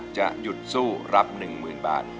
จะหยุดสู้รับ๑๐๐๐บาท